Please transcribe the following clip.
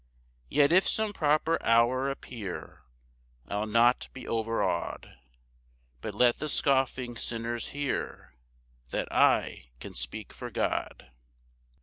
4 Yet if some proper hour appear, I'll not be overaw'd, But let the scoffing sinners hear That I can speak for God.